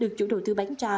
được chủ đầu tư bán ra